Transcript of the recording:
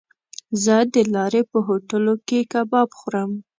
زه د لارې په هوټلو کې کباب خورم.